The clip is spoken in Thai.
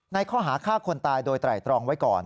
ข้อหาฆ่าคนตายโดยไตรตรองไว้ก่อน